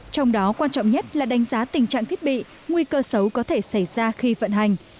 trong đó quan trọng nhất là đánh giá tình trạng thiết bị nguy cơ xấu có thể xảy ra khi vận hành